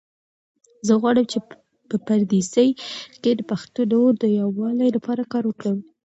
زه غواړم چې په پردیسۍ کې د پښتنو د یووالي لپاره کار وکړم.